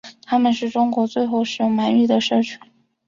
他们是中国最后使用满语的社区。